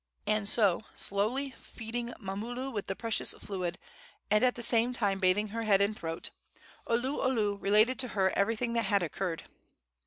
And so, slowly feeding Mamulu with the precious fluid, and at the same time bathing her head and throat, Oluolu related to her everything that had occurred.